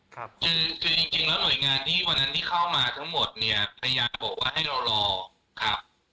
คือจริงแล้วหน่วยงานที่เข้ามาทั้งหมดเนี่ยพยายามบอกว่าให้เรารอครับ